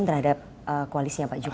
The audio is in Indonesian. terhadap koalisinya pak jokowi